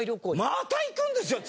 また行くんですよ月。